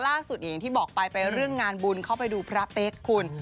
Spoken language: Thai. อย่างที่บอกไปไปเรื่องงานบุญเข้าไปดูพระเป๊กคุณ